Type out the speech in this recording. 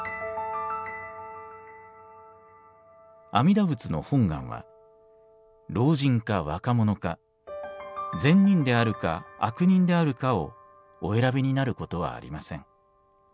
「阿弥陀仏の本願は老人か若者か善人であるか悪人であるかをお選びになることはありません。